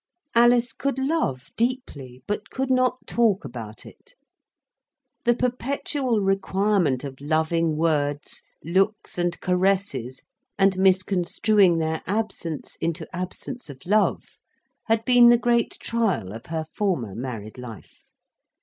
Alice could love deeply, but could not talk about it. The perpetual requirement of loving words, looks, and caresses, and misconstruing their absence into absence of love, had been the great trial of her former married life.